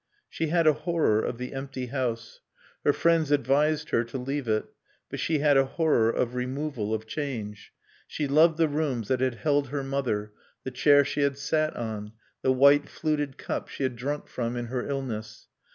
She had a horror of the empty house. Her friends advised her to leave it, but she had a horror of removal, of change. She loved the rooms that had held her mother, the chair she had sat on, the white, fluted cup she had drunk from in her illness.